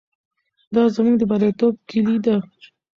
دا زموږ د بریالیتوب کیلي ده.